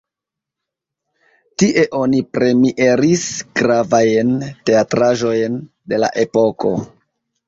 Tie oni premieris gravajn teatraĵojn de la epoko.